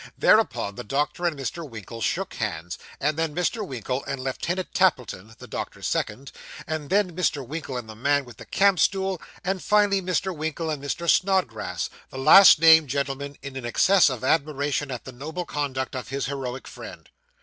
Thereupon the doctor and Mr. Winkle shook hands, and then Mr. Winkle and Lieutenant Tappleton (the doctor's second), and then Mr. Winkle and the man with the camp stool, and, finally, Mr. Winkle and Mr. Snodgrass the last named gentleman in an excess of admiration at the noble conduct of his heroic friend.